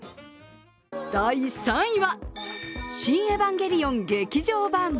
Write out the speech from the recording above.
第３位は「シン・エヴァンゲリオン劇場版」。